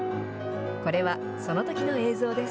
これは、そのときの映像です。